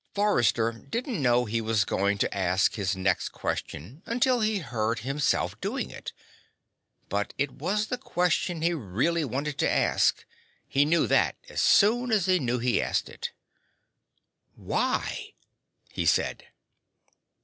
Forrester didn't know he was going to ask his next question until he heard himself doing so. But it was the question he really wanted to ask; he knew that as soon as he knew he asked it. "Why?" he said.